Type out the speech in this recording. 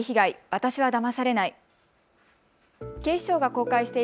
私はだまされない。